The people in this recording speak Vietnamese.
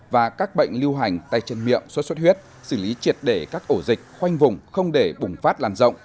và các bệnh lưu hành tay chân miệng suốt suốt huyết xử lý triệt để các ổ dịch khoanh vùng không để bùng phát lan rộng